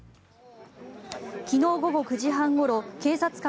昨日午後９時半ごろ警察官